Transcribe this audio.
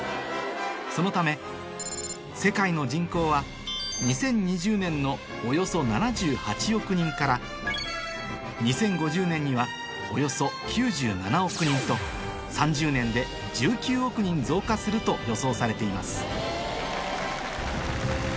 そのため世界の人口は２０２０年のおよそ７８億人から２０５０年にはおよそ９７億人とすると予想されています